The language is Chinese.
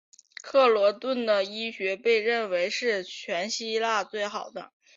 克罗顿的医师被认为是全希腊最好的。